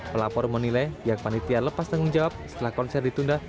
pelapor menilai pihak panitia lepas tanggung jawab setelah konser ditunda